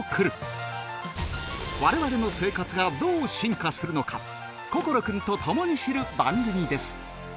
我々の生活がどう進化するのか心くんと共に知る番組です